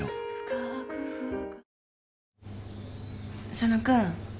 佐野君。